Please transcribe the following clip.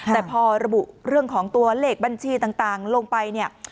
แต่พอระบุเรื่องของตัวเลขบัญชีต่างลงไปเนี่ย